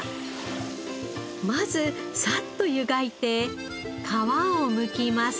まずサッと湯がいて皮をむきます。